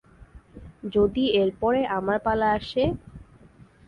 যদি এরপরে আমার পালা আসে?